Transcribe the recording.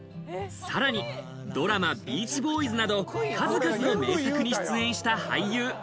さらにドラマ『ビーチボーイズ』など数々の名作に出演した俳優。